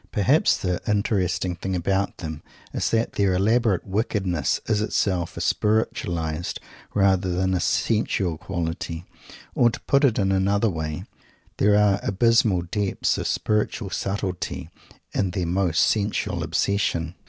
Perhaps the interesting thing about them is that their elaborate wickedness is itself a spiritual rather than a sensual quality, or, to put it in another way, there are abysmal depths of spiritual subtlety in their most sensual obsession.